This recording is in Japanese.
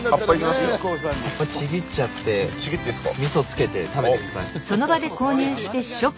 葉っぱちぎっちゃってみそつけて食べてください。